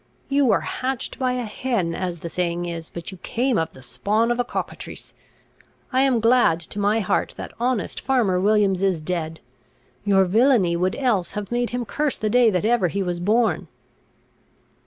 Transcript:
You were hatched by a hen, as the saying is, but you came of the spawn of a cockatrice. I am glad to my heart that honest farmer Williams is dead; your villainy would else have made him curse the day that ever he was born."